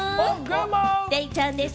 デイちゃんです。